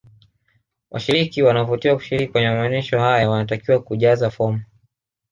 washiriki wanaovutiwa kushiriki kwenye maonyesho haya wanatakiwa kujaze fomu